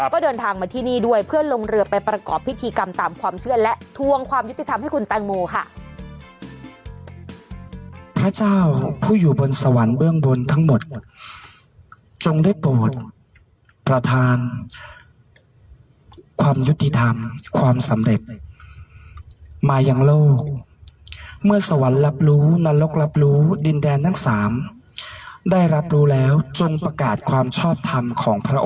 ก็เดินทางมาที่นี่ด้วยเพื่อลงเรือไปประกอบพิธีกรรมตามความเชื่อและทวงความยุติธรรมให้คุณแตงโมค่ะ